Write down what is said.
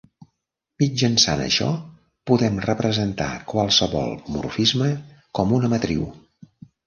Mitjançant això, podem representar qualsevol morfisme com una matriu.